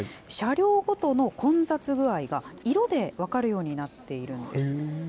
車両ごとの混雑具合が色で分かるようになっているんです。